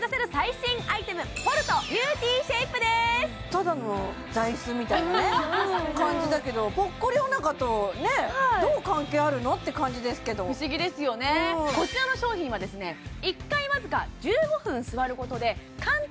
ただの座椅子みたいなね感じだけどポッコリおなかとどう関係あるのって感じですけど不思議ですよねこちらの商品はですね１回わずか１５分座ることで簡単に骨盤ケアが可能なエクササイズチェアなのです